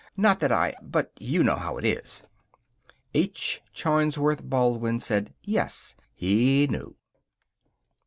Not that I but you know how it is." H. Charnsworth Baldwin said yes, he knew.